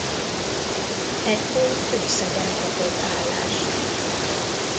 Ekkor Kőszegen kapott állást.